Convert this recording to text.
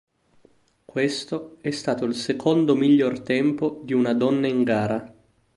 Questo è stato il secondo miglior tempo di una donna in gara.